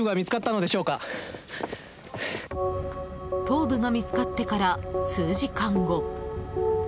頭部が見つかってから数時間後。